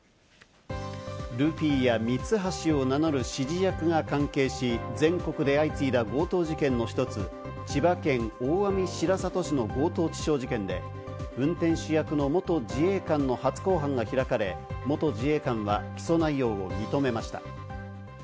ルフィやミツハシを名乗る指示役が関係し、全国で相次いだ強盗事件の１つ、千葉県大網白里市の強盗致傷事件で、運転手役の元自衛官の初公判が開かれ、元自衛官は起訴内容を認めました。